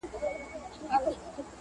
انا یې ګمان کوي